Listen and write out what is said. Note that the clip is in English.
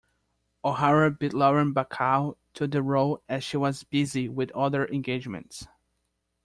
O'Hara beat Lauren Bacall to the role as she was busy with other engagements.